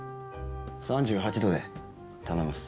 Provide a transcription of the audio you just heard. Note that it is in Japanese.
３８度で頼みます。